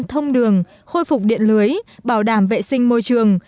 thông đường khôi phục điện lưới bảo đảm vệ sinh môi trường